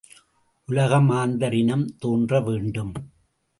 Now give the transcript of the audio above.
உலக மாந்தர் இனம் தோன்றவேண்டும்.